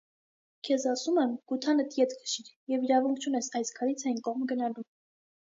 - Քեզ ասում եմ՝ գութանդ ետ քշիր և իրավունք չունենաս այս քարից այն կողմը գնալու: